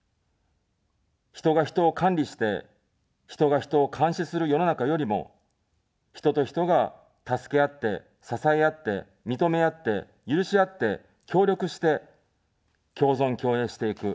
人が人を管理して、人が人を監視する世の中よりも、人と人が助け合って、支え合って、認め合って、許し合って、協力して、共存共栄していく。